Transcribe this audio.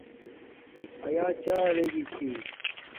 ایا چھرپیے گی چھی